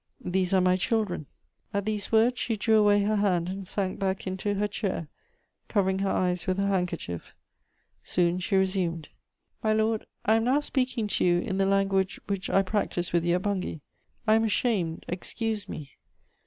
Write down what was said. These are my children." At these words, she drew away her hand and sank back into her chair, covering her eyes with her handkerchief. Soon she resumed: "My lord, I am now speaking to you in the language which I practised with you at Bungay. I am ashamed: excuse me.